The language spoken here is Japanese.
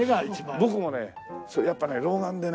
僕もねやっぱね老眼でね。